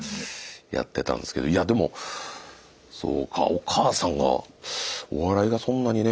やってたんですけどいやでもそうかお母さんがお笑いがそんなにね。